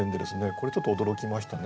これちょっと驚きましたね。